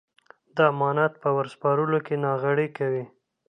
د امانت په ور سپارلو کې ناغېړي کوي.